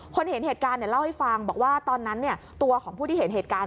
เห็นเหตุการณ์เล่าให้ฟังบอกว่าตอนนั้นตัวของผู้ที่เห็นเหตุการณ์